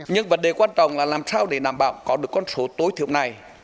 nhưng vấn đề quan trọng là làm sao để đảm bảo có được con số tối thiểu này